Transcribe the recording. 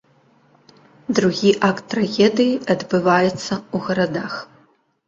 Другі акт трагедыі адбываецца ў гарадах.